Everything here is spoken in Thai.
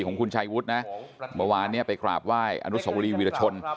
โอ้อย่างนี้๓๐๐๐บาทท่านทีเลย